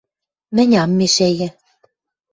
— Мӹнь ам мешӓйӹ.